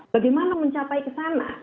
bagaimana mencapai kesana